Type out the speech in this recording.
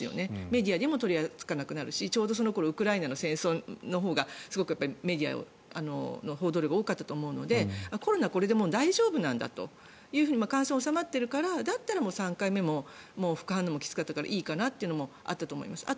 メディアでも取り扱わなくなるしちょうどその頃ウクライナの戦争のほうがメディアの報道量が多かったと思うのでコロナはもうこれで大丈夫なんだと感染は収まっているからだったら３回目はもう副反応もきつかったからいいかなというのもあったと思います。